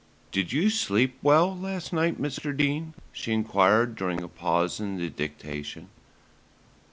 "Did you sleep well last night, Mr. Dene?" she enquired during a pause in the dictation.